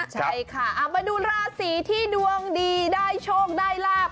ใช่ค่ะมาดูราศีที่ดวงดีได้โชคได้ลาบ